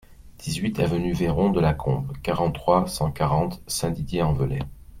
dix-huit avenue Veron de la Combe, quarante-trois, cent quarante, Saint-Didier-en-Velay